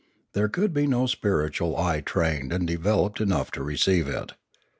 There could be no spiritual eye trained and developed enough to receive it.